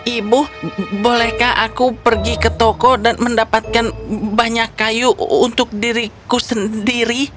ibu bolehkah aku pergi ke toko dan mendapatkan banyak kayu untuk diriku sendiri